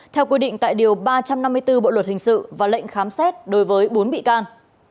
theo quy định tại điều ba trăm năm mươi bốn bộ luật hình sự và lệnh khám xét đối với bốn bị can